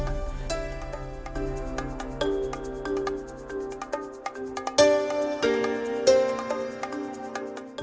kota sawah lunto